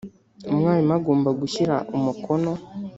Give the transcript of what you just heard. Umwarimu agomba gushyira umukono